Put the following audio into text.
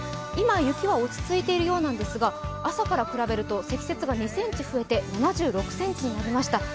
今、雪は落ち着いているようなんですが朝から比べると積雪が２ｃｍ増えて７６ｃｍになりました